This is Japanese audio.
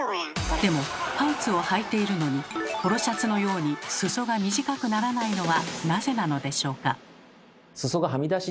でもパンツをはいているのにポロシャツのように裾が短くならないのはなぜなのでしょうか？